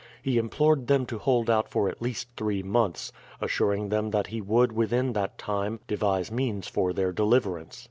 He implored them to hold out for at least three months, assuring them that he would within that time devise means for their deliverance.